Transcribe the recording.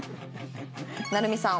成美さん。